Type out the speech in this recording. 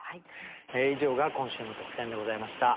以上が今週の特選でございました。